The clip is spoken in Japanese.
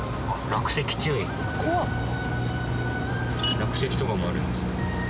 落石とかもあるんですね。